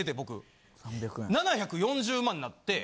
７４０万になって。